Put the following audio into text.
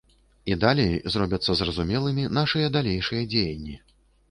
І далей зробяцца зразумелымі нашыя далейшыя дзеянні.